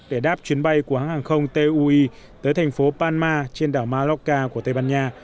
để đáp chuyến bay của hàng không tui tới thành phố palma trên đảo malacca của tây ban nha